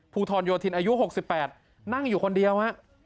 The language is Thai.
ภูทรโยธินอายุ๖๘นั่งอยู่คนเดียวฮะ